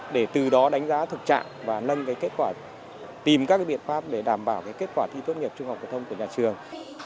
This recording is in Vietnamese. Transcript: để từ đó đánh giá thực trạng và nâng kết quả tìm các biện pháp để đảm bảo kết quả thi tốt nghiệp trung học phổ thông của nhà trường